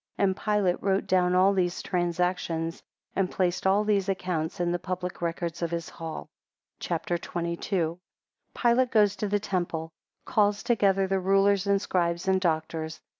13 And Pilate wrote down all these transactions, and placed all these accounts in the public records of his hall. CHAPTER XXII. 1 Pilate goes to the temple; calls together the rulers, and scribes, and doctors.